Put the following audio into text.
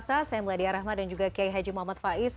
saya meladia rahmat dan kiayi haji muhammad faiz